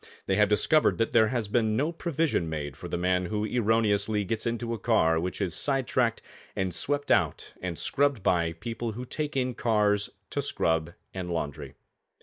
They have discovered that there has been no provision made for the man who erroneously gets into a car which is side tracked and swept out and scrubbed by people who take in cars to scrub and laundry.